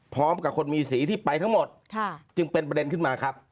พร้อมกับคนมีสีที่ไปทั้งหมดจึงเป็นประเด็นขึ้นมาครับ